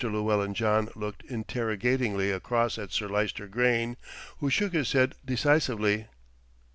Llewellyn John looked interrogatingly across at Sir Lyster Grayne, who shook his head decisively.